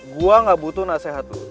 gue gak butuh nasihat tuh